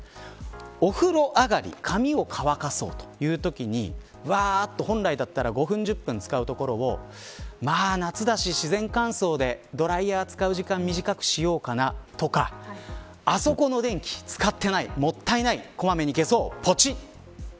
お風呂上がり髪を乾かそうというときに本来だったら５分、１０分使うところを夏だし自然乾燥でドライヤー使う時間短くしようかなとかあそこの電気使ってないもったいない、小まめに消そう。